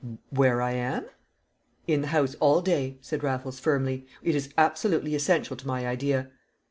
"Where I am?" "In the house all day," said Raffles firmly. "It is absolutely essential to my idea."